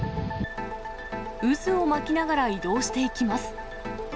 渦を巻きながら移動していきます。